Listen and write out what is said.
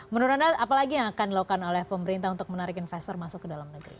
menurut anda apalagi yang akan dilakukan oleh pemerintah untuk menarik investor masuk ke dalam negeri